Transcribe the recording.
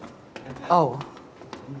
青。